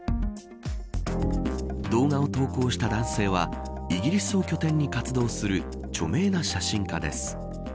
動画を投稿した男性はイギリスを拠点に活動する著名な写真家です。